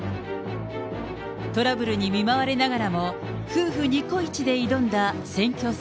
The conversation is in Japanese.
トラブルに見舞われながらも、夫婦にこいちで挑んだ選挙戦。